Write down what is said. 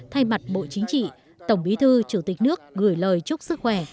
thay mặt bộ chính trị tổng bí thư chủ tịch nước gửi lời chúc sức khỏe